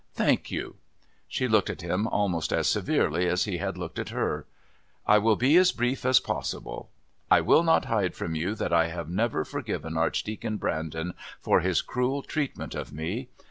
Thank you." She looked at him almost as severely as he had looked at her. "I will be as brief as possible. I will not hide from you that I have never forgiven Archdeacon Brandon for his cruel treatment of me.